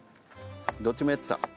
どっちもやってた。